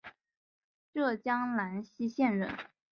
浙江兰溪县人。